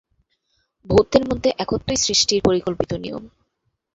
বহুত্বের মধ্যে একত্বই সৃষ্টির পরিকল্পিত নিয়ম।